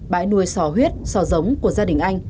bãi nuôi sò huyết sò giống của gia đình anh